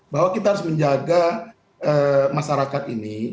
bahwa kita harus menjaga masyarakat ini